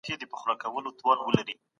باطل په ټولنه کي بدبختي راولي.